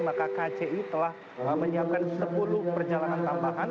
maka kci telah menyiapkan sepuluh perjalanan tambahan